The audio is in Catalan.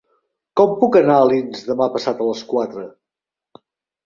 Com puc anar a Alins demà passat a les quatre?